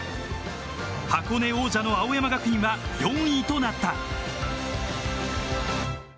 箱根王者の青山学院は４位となった。